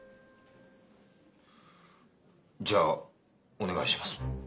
じゃあお願いします。